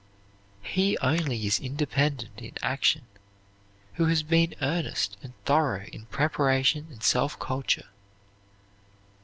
He only is independent in action who has been earnest and thorough in preparation and self culture.